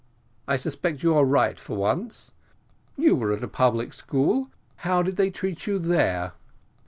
"I suspect you are right for once. You were at a public school: how did they treat you there?"